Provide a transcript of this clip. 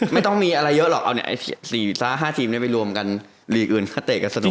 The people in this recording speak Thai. ไม่ต้องมีอะไรเยอะหรอกเอาเนี่ยไอ้สี่สามห้าทีมนึงไปรวมกันลีกอื่นถ้าเตะก็สนุกขึ้นแล้ว